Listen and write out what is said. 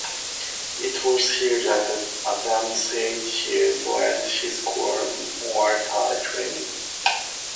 It was here that Adam said he learnt his core Muay Thai training.